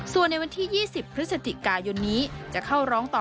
ส่วนในวันที่๒๐พฤศจิกายนนี้จะเข้าร้องต่อ